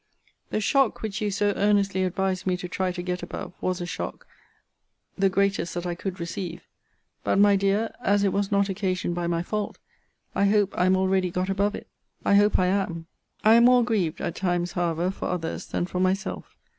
The shock which you so earnestly advise me to try to get above, was a shock, the greatest that I could receive. But, my dear, as it was not occasioned by my fault, I hope I am already got above it. I hope I am. I am more grieved (at times however) for others, than for myself.